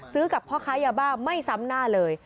กับพ่อค้ายาบ้าไม่ซ้ำหน้าเลย